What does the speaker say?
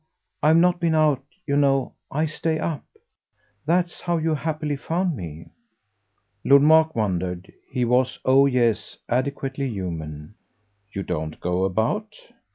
I've not been out, you know. I stay up. That's how you happily found me." Lord Mark wondered he was, oh yes, adequately human. "You don't go about?"